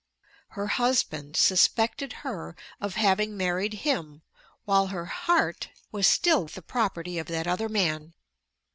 Her husband suspected her of having married him while her heart was still the property of that other man!